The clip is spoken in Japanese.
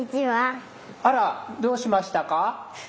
あらどうしましたか？